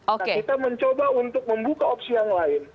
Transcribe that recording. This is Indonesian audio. nah kita mencoba untuk membuka opsi yang lain